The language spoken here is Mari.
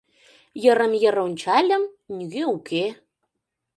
Йырым-йыр ончальым — нигӧ уке.